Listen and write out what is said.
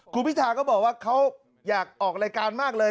คุณพิธาก็บอกว่าเขาอยากออกรายการมากเลย